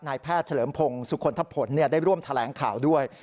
นายแพทย์เฉลิมพงศ์สุคลทะผลได้ร่วมแถลงข่าวด้วย